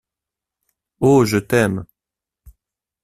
Oh! je t’aime.